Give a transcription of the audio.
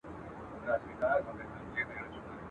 نه یې زرکي په ککړو غولېدلې !.